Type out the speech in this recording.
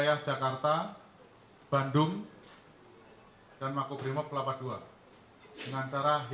yang jelas bahwa target mereka adalah kantor polisi petugas polisi